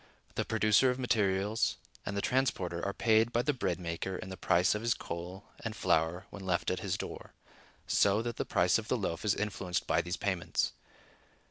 The producer of materials and the transporter are paid by the bread maker in the price of his coal and flour when left at his door, so that the price of the loaf is influenced by these payments.